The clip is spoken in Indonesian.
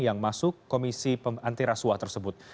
yang masuk komisi antirasuah tersebut